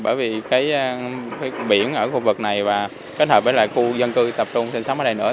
bởi vì cái biển ở khu vực này và kết hợp với lại khu dân cư tập trung sinh sống ở đây nữa